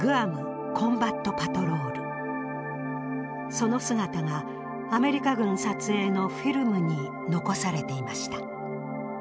その姿がアメリカ軍撮影のフィルムに残されていました。